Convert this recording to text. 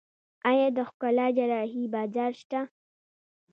آیا د ښکلا جراحي بازار شته؟